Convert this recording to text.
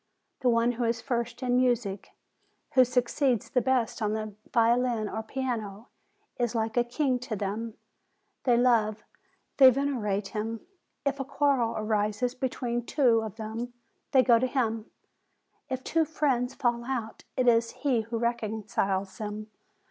The one who is first in music, who succeeds the best on the violin or piano, is like a king to them ; they love, they venerate him. If a quarrel arises between two of THE BLIND BOYS 159 them, they go to him; if two friends fall out, it is he who reconciles them.